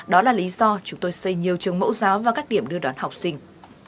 đó là lý do chúng tôi xây nhiều trường mẫu giáo và các điểm đưa đón học sinh